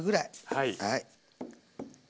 はい。